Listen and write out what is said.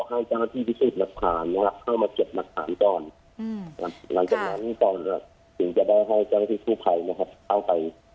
หลังจากนั้นตอนถึงจะได้ห้างเจ้าหน้าที่สุภัยข้างไป